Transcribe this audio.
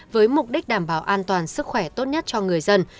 với mục đích đảm bảo an toàn sức khỏe tốt nhất cho người dân